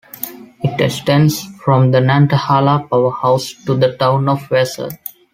It extends from the Nantahala Powerhouse to the town of Wesser.